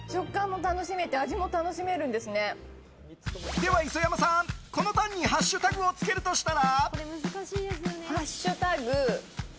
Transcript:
では、磯山さんこのたんにハッシュタグをつけるとしたら？